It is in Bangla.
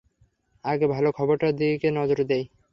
আগে ভালো খবরটার দিকে নজর দেই?